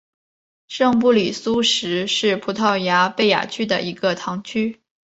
圣布里苏什是葡萄牙贝雅区的一个堂区。